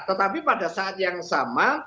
tetapi pada saat yang sama